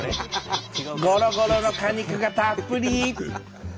ゴロゴロの果肉がたっぷり！